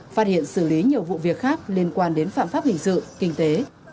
phát hiện xử lý nhiều vụ việc khác liên quan đến phạm pháp hình sự kinh tế